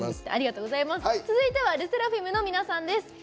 続いてはＬＥＳＳＥＲＡＦＩＭの皆さんです。